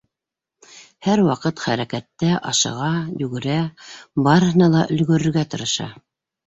Һәр ваҡыт хәрәкәттә, ашыға, йүгерә, барыһына ла өлгөрөргә тырыша.